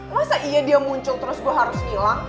masa iya dia muncul terus gue harus hilang